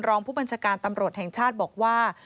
รองผู้บัญชาการตำรวจแห่งชาติบอกว่า